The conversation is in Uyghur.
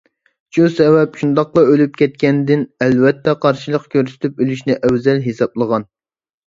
شۇ سەۋەب، شۇنداقلا ئۆلۈپ كەتكەندىن ئەلۋەتتە قارشىلىق كۆرسىتىپ ئۆلۈشنى ئەۋزەل ھېسابلىغان.